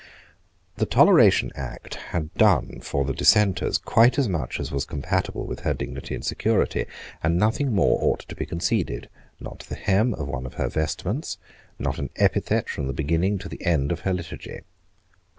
The Toleration Act had done for the Dissenters quite as much as was compatible with her dignity and security; and nothing more ought to be conceded, not the hem of one of her vestments, not an epithet from the beginning to the end of her Liturgy.